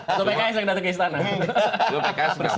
atau pks yang datang ke istana